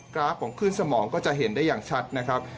ราฟของขึ้นสมองก็จะเห็นได้อย่างชัดนะครับ